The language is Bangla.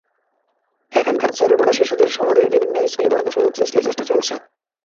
এখানকার ঝরে পড়া শিশুদের শহরের বিভিন্ন স্কুলে পড়ানোর সুযোগ সৃষ্টির চেষ্টা চলছে।